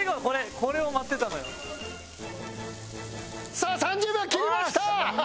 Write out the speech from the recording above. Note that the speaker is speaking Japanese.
さあ３０秒切りました！